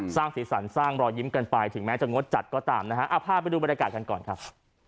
สร้างสีสันสร้างรอยยิ้มกันไปถึงแม้จะงดจัดก็ตามนะฮะพาไปดูบรรยากาศกันก่อนครับ